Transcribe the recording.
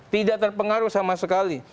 tidak terpengaruh sama sekali